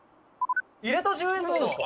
入れた１０円